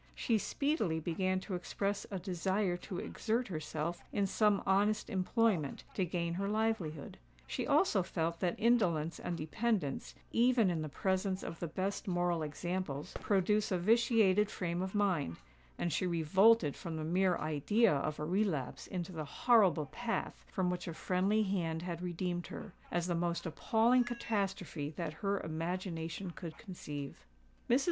She speedily began to express a desire to exert herself in some honest employment to gain her livelihood;—she also felt that indolence and dependence, even in the presence of the best moral examples, produce a vitiated frame of mind;—and she revolted from the mere idea of a relapse into the horrible path from which a friendly hand had redeemed her, as the most appalling catastrophe that her imagination could conceive. Mrs.